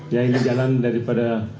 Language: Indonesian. ya ini jalan daripada